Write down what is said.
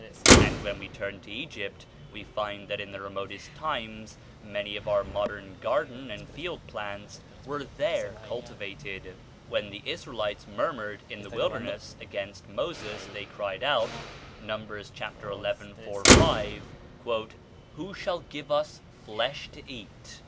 And when we turn to Egypt we find that in the remotest times many of our modern garden and field plants were there cultivated. When the Israelites murmured in the wilderness against Moses, they cried out (Numb., chap. xi., 4, 5), "Who shall give us flesh to eat?